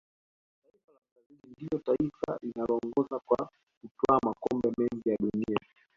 taifa la brazil ndiyo taifa linaloongoza kwa kutwaa makombe mengi ya dunia